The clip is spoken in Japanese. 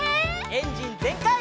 エンジンぜんかい！